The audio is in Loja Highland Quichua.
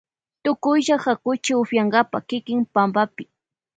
Tukuylla hakuchi upiyankapa kiki pampapi.